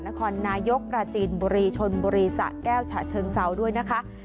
นครนายกปราจีนบุรีชนบุรีสะแก้วฉะเชิงเซาด้วยนะคะ